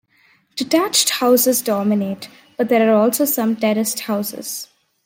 Detached houses dominate, but there are also some terraced houses.